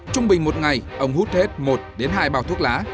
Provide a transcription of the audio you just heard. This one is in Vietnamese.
trung bình một ngày ông hút hết một đến hai bao thuốc lá